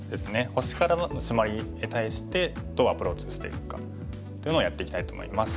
星からのシマリに対してどうアプローチしていくかっていうのをやっていきたいと思います。